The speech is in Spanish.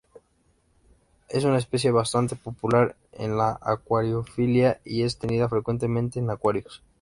Es una especie bastante popular en la acuariofilia y es tenida frecuentemente en acuarios.